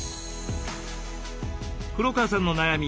黒川さんの悩み